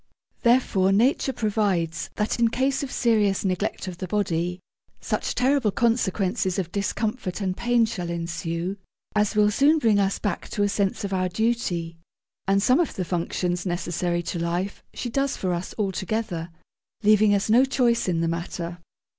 Therefore Nature provides that, in case of serious neglect of the body, such terrible consequences of discomfort and pain shall ensue, as will soon bring us back to a sense of our duty: and some of the functions necessary to life she does for us altogether, leaving us no choice in the matter.